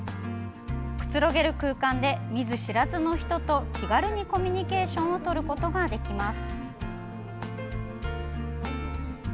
くつろげる空間で見ず知らずの人と気軽にコミュニケーションをとることができます。